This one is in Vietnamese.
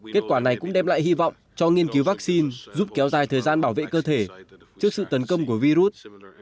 kết quả này cũng đem lại hy vọng cho nghiên cứu vaccine giúp kéo dài thời gian bảo vệ cơ thể trước sự tấn công của virus